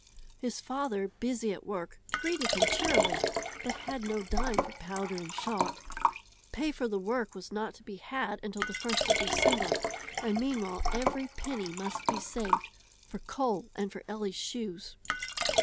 His father, busy at work, greeted him cheerily, but had no dime for powder and shot. Pay for the work was not to be had until the first of December, and meanwhile every penny must be saved for coal and for Ellie's shoes.